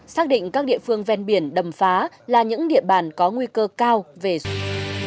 sắc định các địa phương ven biển đầm phá là những địa bàn có nguy cơ cao về sốt sốt huyết